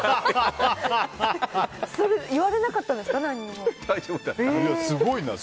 言われなかったんですか、何も。